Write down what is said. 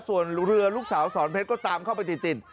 ส่วนเรือลูกสาวสอนเพชรก็ตามเข้าไปติด